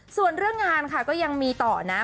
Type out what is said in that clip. ส่วนเรื่องงานค่ะก็ยังมีต่อนะ